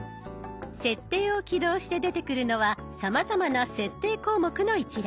「設定」を起動して出てくるのはさまざまな設定項目の一覧。